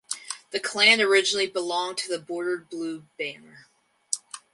The clan originally belonged to the Bordered Blue Banner.